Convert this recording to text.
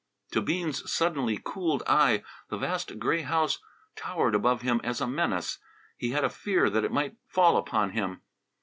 To Bean's suddenly cooled eye, the vast gray house towered above him as a menace. He had a fear that it might fall upon him.